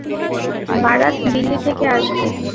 বারাত দিল্লি থেকে আসবে।